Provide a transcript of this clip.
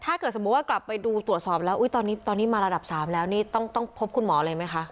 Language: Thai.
สมมุติว่ากลับไปดูตรวจสอบแล้วตอนนี้มาระดับ๓แล้วนี่ต้องพบคุณหมอเลยไหมคะ